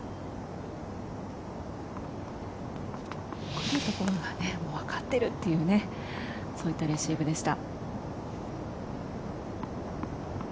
来るところがわかっているっていうそういったレシーブでした。